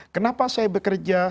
kenapa saya bekerja